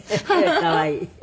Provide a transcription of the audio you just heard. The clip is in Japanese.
可愛い。